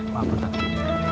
pak maafkan aku